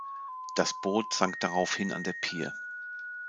Das Boot sank daraufhin an der Pier.